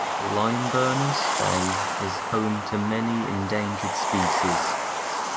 Limeburners Bay is home to many endangered species.